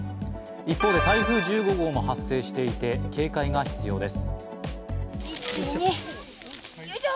一方で台風１５号も発生していて警戒が必要です。